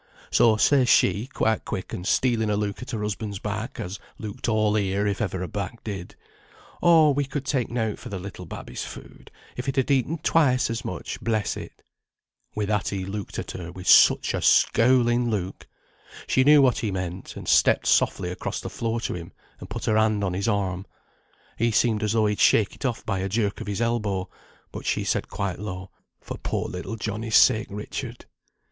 So says she, quite quick, and stealing a look at her husband's back, as looked all ear, if ever a back did, 'Oh, we could take nought for the little babby's food, if it had eaten twice as much, bless it.' Wi' that he looked at her; such a scowling look! She knew what he meant, and stepped softly across the floor to him, and put her hand on his arm. He seem'd as though he'd shake it off by a jerk on his elbow, but she said quite low, 'For poor little Johnnie's sake, Richard.'